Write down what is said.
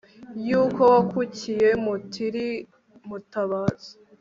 y'uko wakukiye mutiri, mutabazi